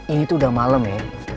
ini tuh udah malam ya